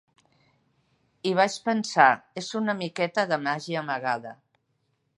I vaig pensar, és una miqueta de màgia amagada.